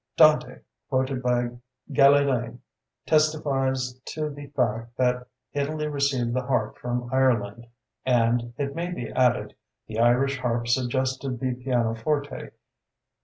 Dante, quoted by Galilei, testifies to the fact that Italy received the harp from Ireland; and, it may be added, the Irish harp suggested the pianoforte.